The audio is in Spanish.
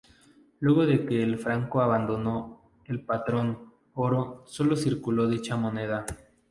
Luego de que el franco abandonó el patrón oro, sólo circuló dicha moneda.